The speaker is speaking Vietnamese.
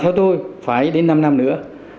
thôi thôi phải đến năm năm nữa